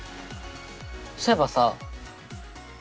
そういえばさ。